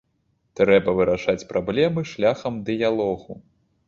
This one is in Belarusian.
Трэба вырашаць праблемы шляхам дыялогу.